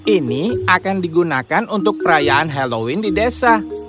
ini akan digunakan untuk perayaan halloween di desa